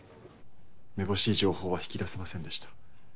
めぼしい情報は引き出せませんでした。